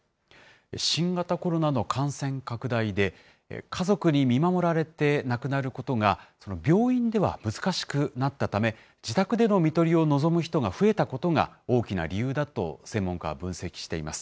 新型コロナの感染拡大で、家族に見守られて亡くなることが病院では難しくなったため、自宅でのみとりを望む人が増えたことが、大きな理由だと専門家は分析しています。